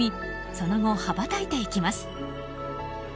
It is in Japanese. その後、羽ばたいていきます。